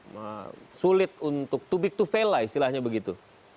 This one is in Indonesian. menjadi sulit untuk too big to fail lah istilahnya begitu